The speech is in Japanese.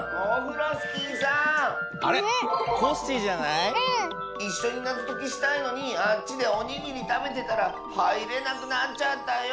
いっしょになぞときしたいのにあっちでおにぎりたべてたらはいれなくなっちゃったよ。